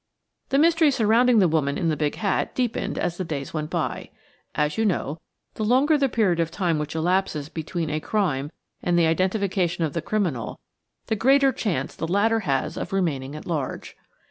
The mystery surrounding the woman in the big hat deepened as the days went by. As you know, the longer the period of time which elapses between a crime and the identification of thc criminal, the greater chance the latter has of remaining at large.